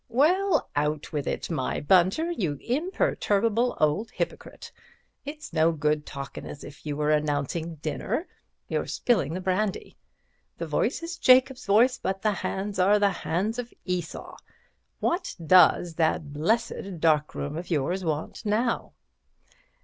"Well, out with it, my Bunter, you imperturbable old hypocrite. It's no good talking as if you were announcing dinner—you're spilling the brandy. The voice is Jacob's voice, but the hands are the hands of Esau. What does that blessed darkroom of yours want now?"